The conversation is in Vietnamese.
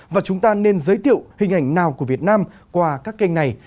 và chúng ta nên giới thiệu hình ảnh nào của việt nam qua các kênh này